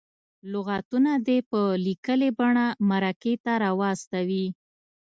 لغتونه دې په لیکلې بڼه مرکې ته راواستوي.